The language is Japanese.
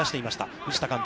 藤田監督。